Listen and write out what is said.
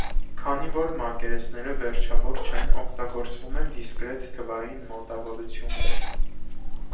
Քանի որ մակերեսները վերջավոր չեն, օգտագործվում են դիսկրետ թվային մոտավորություններ։